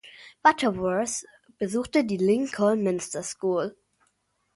Butterworth besuchte die Lincoln Minster School.